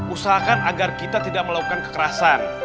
usahakan agar kita tidak melakukan kekerasan